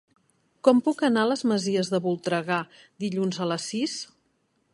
Com puc anar a les Masies de Voltregà dilluns a les sis?